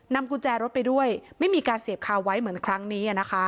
กุญแจรถไปด้วยไม่มีการเสียบคาไว้เหมือนครั้งนี้